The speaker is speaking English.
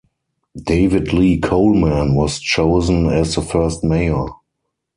David Lee Coleman was chosen as the first mayor.